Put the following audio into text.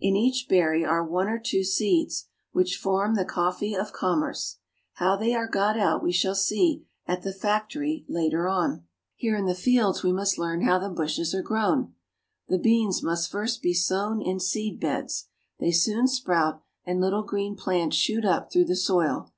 In each berry are one or two seeds, which form the coffee of commerce. How they are got out we shall see at the factory later on. Coffee Tree. 262 BRAZIL. Here in the fields we must learn how the bushes are grown. The beans must first be sown in seed beds. They soon sprout, and little green plants shoot up through the soil.